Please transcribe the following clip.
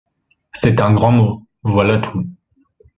C’est un grand mot, voilà tout.